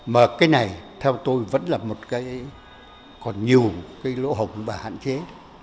mà cái này theo tôi vẫn là một cái còn nhiều cái lỗ hồng và hạn chế